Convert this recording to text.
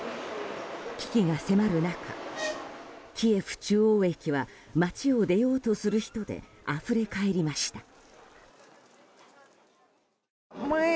危機が迫る中、キエフ中央駅は街を出ようとする人であふれかえりました。